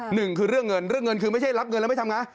หนึ่งคือเรื่องเงินเรื่องเงินคือไม่ใช่รับเงินแล้วไม่ทำไง